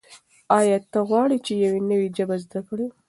آیا ته غواړې چې یو نوی ژبه زده کړې؟